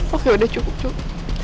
oke udah cukup cukup